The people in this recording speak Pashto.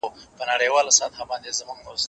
هغه څوک چي ځواب ليکي تمرين کوي!.